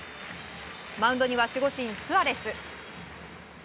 マウンドには守護神スアレス。